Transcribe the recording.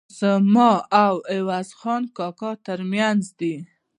زما او عوض خان کاکا ترمنځ.